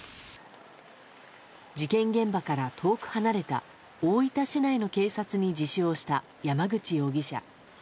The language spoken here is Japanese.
事件現場から遠く離れた大分市内の警察に自首をした山口容疑者。